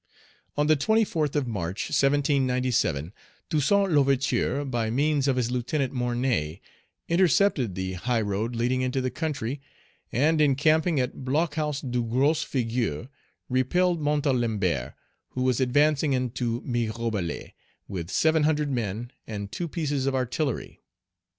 On the 24th of March, 1797, Toussaint L'Ouverture, by means of his lieutenant, Morney, intercepted the high road leading into the country, and, encamping at Block haus du Gros Figuier, repelled Montalembert, who was advancing into Mirebalais with seven hundred men and two pieces of artillery.